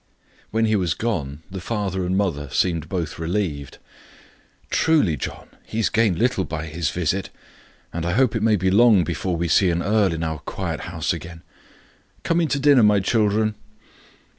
When he was gone the father and mother seemed both relieved. "Truly, John, he has gained little by his visit, and I hope it may be long before we see an earl in our quiet house again. Come in to dinner, my children."